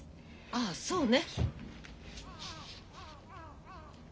ああそうね。